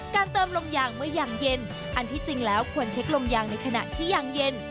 เติมลมยางเมื่อยางเย็นอันที่จริงแล้วควรเช็คลมยางในขณะที่ยางเย็น